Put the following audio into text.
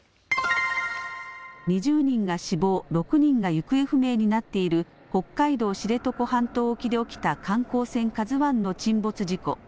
２０人が死亡、６人が行方不明になっている北海道知床半島沖で起きた観光船、ＫＡＺＵの沈没事故。